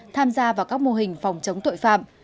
tham gia vào các mô hình phòng chống tội phạm